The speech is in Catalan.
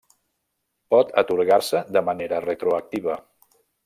Pot atorgar-se de manera retroactiva.